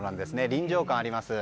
臨場感あります。